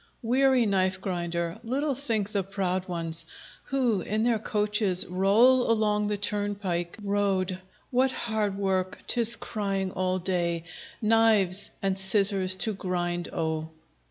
Weary Knife grinder! little think the proud ones Who in their coaches roll along the turnpike Road, what hard work 'tis crying all day, "Knives and Scissors to grind O!"